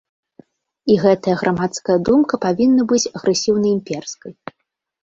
І гэтая грамадская думка павінна быць агрэсіўна-імперскай.